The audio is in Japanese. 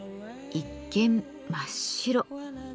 一見真っ白。